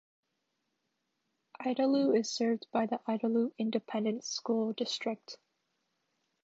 Idalou is served by the Idalou Independent School District.